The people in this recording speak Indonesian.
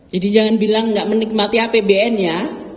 jadi jangan bilang gak menikmati apbn ya